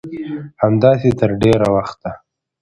همداسې تر ډېره وخته